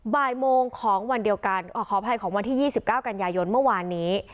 บ่ายโมงของวันเดียวกันขออภัยของวันที่๒๙กันยายนเมื่อวานนี้